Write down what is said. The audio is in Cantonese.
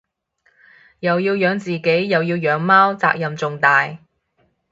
又要養自己又要養貓責任重大